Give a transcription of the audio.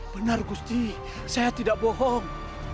benar gusti saya tidak bohong